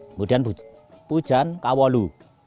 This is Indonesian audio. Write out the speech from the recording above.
kemudian pujan kawalu